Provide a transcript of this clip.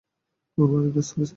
তোমার বাড়ি নয় স্যরি, স্যার।